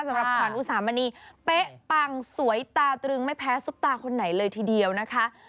สำหรับขวัญอุสามณีเป๊ะปังสวยตาตรึงไม่แพ้ซุปตาคนไหนเลยทีเดียวนะคะ